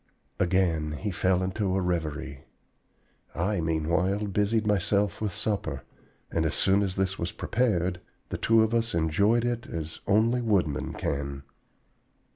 Again he fell into a reverie. I, meanwhile, busied myself with supper; and as soon as this was prepared, the two of us enjoyed it as only woodmen can.